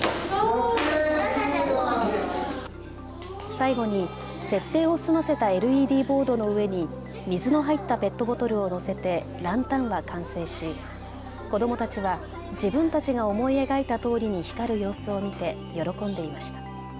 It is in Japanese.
最後に設定を済ませたＬＥＤボードの上に水の入ったペットボトルを載せてランタンは完成し子どもたちは自分たちが思い描いたとおりに光る様子を見て喜んでいました。